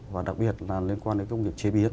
và đặc biệt là liên quan đến công nghiệp chế biến